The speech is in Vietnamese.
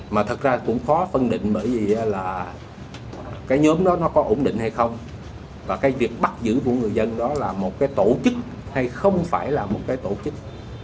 mà thật ra cũng khó phân định bởi vì là cái nhóm đó nó có ổn định hay không và cái việc bắt giữ của người dân đó là một cái tổ chức hay không phải là một cái tổ chức